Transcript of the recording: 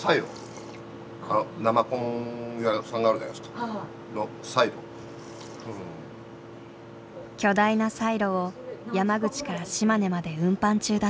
巨大なサイロを山口から島根まで運搬中だそう。